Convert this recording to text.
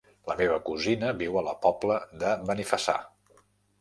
La meva cosina viu a la Pobla de Benifassà.